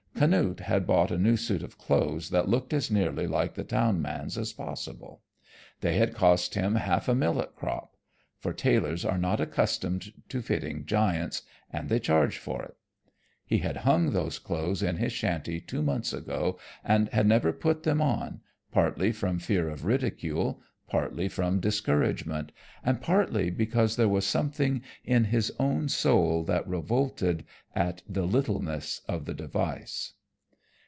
Canute had bought a new suit of clothes that looked as nearly like the town man's as possible. They had cost him half a millet crop; for tailors are not accustomed to fitting giants and they charge for it. He had hung those clothes in his shanty two months ago and had never put them on, partly from fear of ridicule, partly from discouragement, and partly because there was something in his own soul that revolted at the littleness of the device.